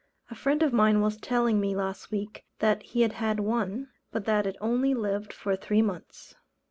A friend of mine was telling me last week, that he had had one, but that it only lived for three months.